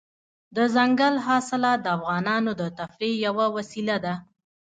دځنګل حاصلات د افغانانو د تفریح یوه وسیله ده.